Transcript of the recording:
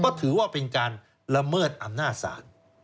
ก็ถือว่าเป็นการละเมิดอำนาจศาล